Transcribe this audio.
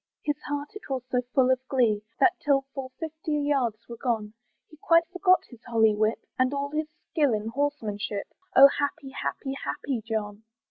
His heart it was so full of glee, That till full fifty yards were gone, He quite forgot his holly whip, And all his skill in horsemanship, Oh! happy, happy, happy John.